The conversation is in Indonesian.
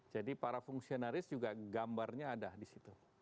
jadi para fungsionaris juga gambarnya ada di situ